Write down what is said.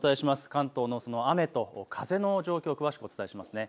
関東の雨と風の状況を詳しくお伝えします。